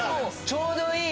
ちょうどいい！